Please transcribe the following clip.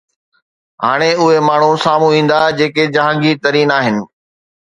هاڻي اهي ماڻهو سامهون ايندا جيڪي جهانگير ترين آهن